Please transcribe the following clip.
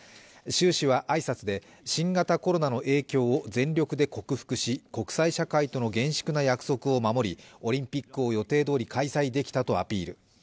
習氏は挨拶で、新型コロナの影響を全力で克服し、国際社会との厳粛な約束を守りオリンピックを予定どおり開催できたとアピール。